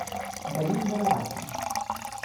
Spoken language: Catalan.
Venim de Navata.